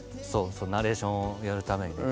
そうナレーションをやるためにね。